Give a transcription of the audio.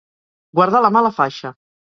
Guardar la mà a la faixa.